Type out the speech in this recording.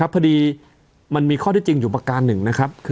พอดีมันมีข้อที่จริงอยู่ประการหนึ่งนะครับ